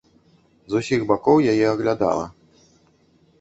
З усіх бакоў яе аглядала.